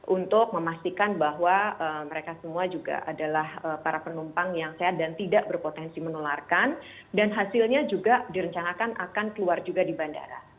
untuk memastikan bahwa mereka semua juga adalah para penumpang yang sehat dan tidak berpotensi menularkan dan hasilnya juga direncanakan akan keluar juga di bandara